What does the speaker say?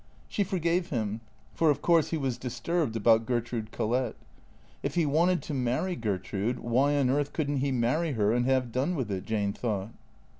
She forgave him, for of course he was disturbed about Ger trude Collett. If he wanted to marry Gertrude, why on earth couldn't he marry her and have done with it? Jane thought.